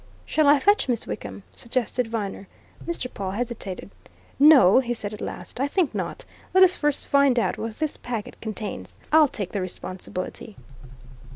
"Shall I fetch Miss Wickham?" suggested Viner. Mr. Pawle hesitated. "No!" he said at last. "I think not. Let us first find out what this packet contains. I'll take the responsibility."